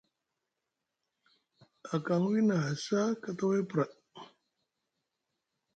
A kaŋ wini aha saa kataway pra.